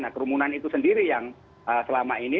nah kerumunan itu sendiri yang selama ini